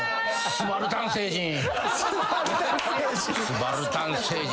・スバルタン星人。